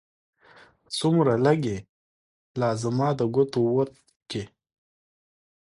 څومره لږې! لا زما د ګوتو وت کې